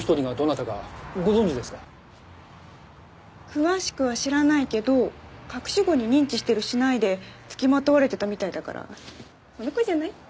詳しくは知らないけど隠し子に認知してるしないでつきまとわれてたみたいだからその子じゃない？